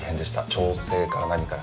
調整から何から。